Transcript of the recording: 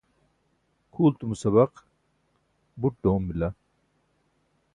kʰultumo sabaq buṭ ḍoom bila